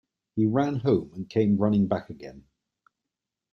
He ran home and came running back again.